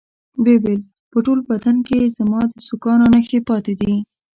ويې ويل په ټول بدن کښې يې زما د سوکانو نخښې پاتې دي.